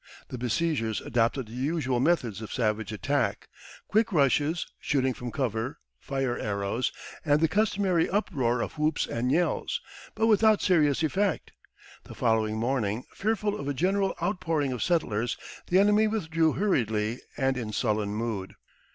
The besiegers adopted the usual methods of savage attack quick rushes, shooting from cover, fire arrows, and the customary uproar of whoops and yells but without serious effect. The following morning, fearful of a general outpouring of settlers, the enemy withdrew hurriedly and in sullen mood.